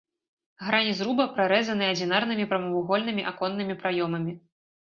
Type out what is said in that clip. Грані зруба прарэзаны адзінарнымі прамавугольнымі аконнымі праёмамі.